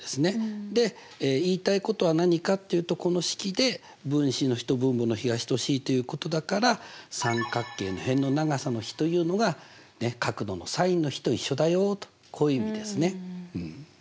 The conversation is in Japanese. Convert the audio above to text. で言いたいことは何かっていうとこの式で分子の比と分母の比が等しいということだから三角形の辺の長さの比というのが角度のｓｉｎの比と一緒だよとこういう意味ですね。